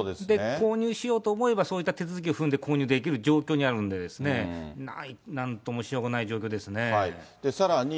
購入しようと思えば、そういった手続きを踏んで購入できる状況にあるんで、なんともしさらに。